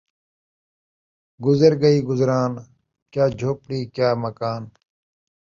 گزر گئی گزران ، کیا جھوپڑی کیا مکان